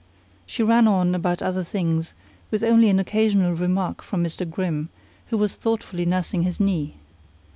She ran on, about other things, with only an occasional remark from Mr. Grimm, who was thoughtfully nursing his knee.